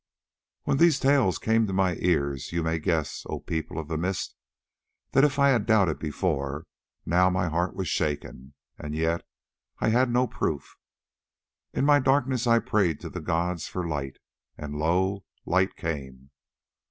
"When these tales came to my ears, you may guess, O People of the Mist, that if I had doubted before, now my heart was shaken, and yet I had no proof. In my darkness I prayed to the gods for light, and lo! light came.